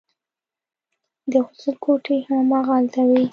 د غسل کوټې هم هماغلته وې.